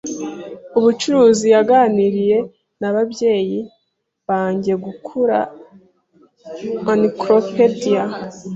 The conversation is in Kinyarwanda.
Umucuruzi yaganiriye n'ababyeyi banjye kugura encyclopediya.